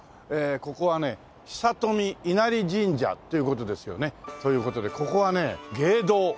ここはね久富稲荷神社っていう事ですよね。という事でここはね芸道